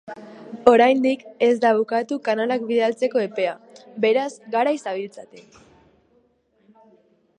Oraindik ez da bukatu kanalak bidaltzeko epea, beraz, garaiz zabiltzate!